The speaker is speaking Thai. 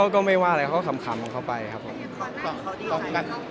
ก็ไม่ว่าอะไรคลำลงเข้าไปครับผม